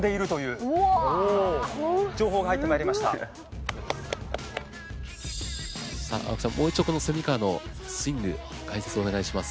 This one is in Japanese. パチパチさあ青木さんもう一度この川のスイング解説お願いします。